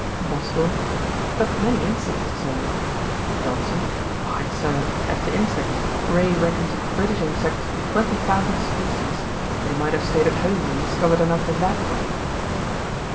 BOSWELL. 'But many insects, Sir.' JOHNSON. 'Why, Sir, as to insects, Ray reckons of British insects twenty thousand species. They might have staid at home and discovered enough in that way.'